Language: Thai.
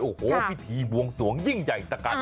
โอ้โหพิธีบวงสวงยิ่งใหญ่ตะกัน